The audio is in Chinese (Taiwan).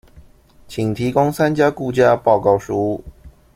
請提供三家估價報告書